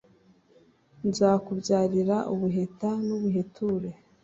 nzakubyarira ubuheta.nubuheture